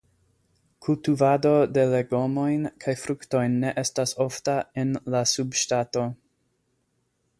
Kultuvado de legomojn kaj fruktojn ne estas ofta en la subŝtato.